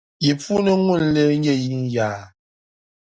Yi puuni ŋuni n-leei nyɛ yinyaa.